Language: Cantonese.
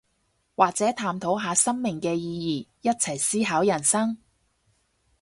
或者探討下生命嘅意義，一齊思考人生